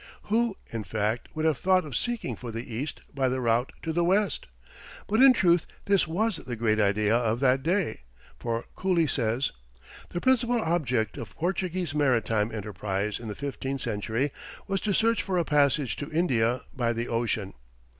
Who, in fact, would have thought of seeking for the east by the route to the west? But in truth this was the great idea of that day, for Cooley says, "The principal object of Portuguese maritime enterprise in the fifteenth century was to search for a passage to India by the Ocean."